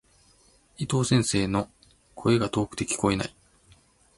伊藤先生の、声が遠くて聞こえない。